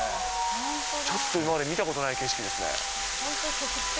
ちょっと、今まで見たことのない景色ですね。